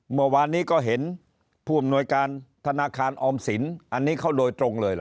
มอบรรณีก็เห็นผู้อำนวยการธนาคารออมสินอันนี้เข้าโดยตรงเลย